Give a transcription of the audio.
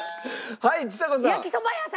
はいちさ子さん。